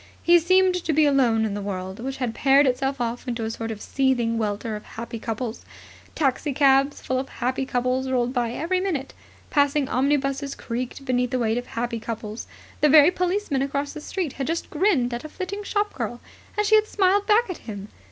He seemed to be alone in the world which had paired itself off into a sort of seething welter of happy couples. Taxicabs full of happy couples rolled by every minute. Passing omnibuses creaked beneath the weight of happy couples. The very policeman across the Street had just grinned at a flitting shop girl, and she had smiled back at him.